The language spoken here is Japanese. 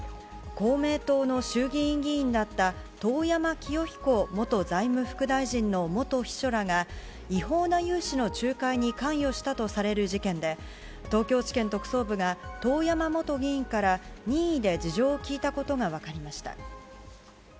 公明党の衆議院議員だった遠山清彦元財務副大臣の元秘書らが違法な融資の仲介に関与したとされる事件で東京地検特捜部が遠山元議員から任意で事情を聴いたことが分かりました。